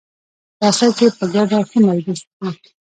راسه چي په ګډه ښه مجلس وکو.